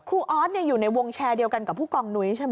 ออสอยู่ในวงแชร์เดียวกันกับผู้กองนุ้ยใช่ไหม